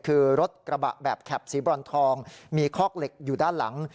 คือรถกระบะแบบแคปสีบรอนทองมีคอกเหล็กอยู่ด้านหลัง